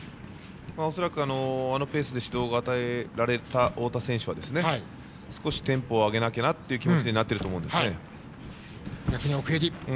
恐らくあのペースで指導が与えられた太田選手は少しテンポを上げなきゃなという気持ちになっていると思います。